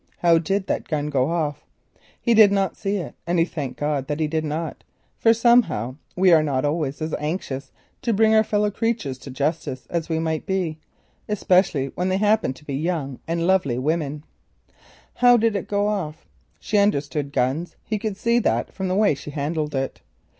How did that gun go off? He did not see it, and he thanked heaven that he did not, for we are not always so anxious to bring our fellow creatures to justice as we might be, especially when they happen to be young and lovely women. How did it go off? She understood guns; he could see that from the way she handled it.